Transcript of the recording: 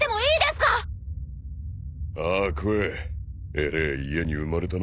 えれえ家に生まれたな。